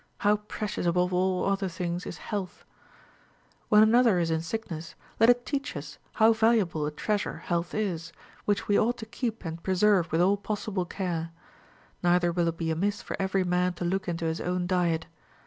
How precious above all other things is health ! When another is in sickness, let it teach us SULES FOR THL• PRESERVATION OF HEALTH. 265 how valuable a treasure health is, which we ought to keep and preserve Avith all possible care. Neither will it be amiss for every man to look into his own diet.